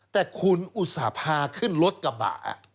แต่คุณอุตส่าห์พาขึ้นรถกระบะ